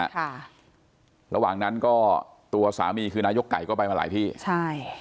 ค่ะระหว่างนั้นก็ตัวสามีคือนายกไก่ก็ไปมาหลายที่ใช่